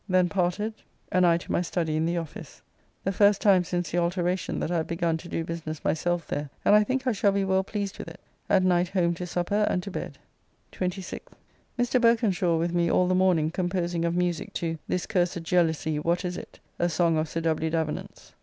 Then parted, and I to my study in the office. The first time since the alteracon that I have begun to do business myself there, and I think I shall be well pleased with it. At night home to supper and to bed. 26th. Mr. Berkenshaw with me all the morning composing of musique to "This cursed jealousy, what is it," a song of Sir W. Davenant's.